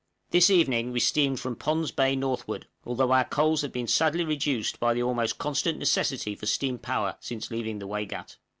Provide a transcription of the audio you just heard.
This evening we steamed from Pond's Bay northward, although our coals have been sadly reduced by the almost constant necessity for steam power since leaving the Waigat.